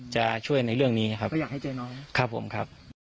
จะช่วยในเรื่องนี้ครับก็อยากให้เจอน้องครับผมครับ